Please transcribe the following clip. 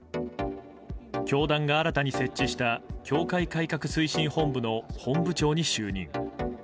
教団が新たに設置した教会改革推進本部の本部長に就任。